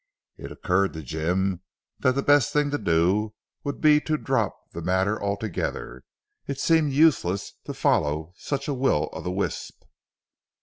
It occurred to Jim that the best thing to do would be to drop the matter altogether. It seemed useless to follow such a will o the wisp.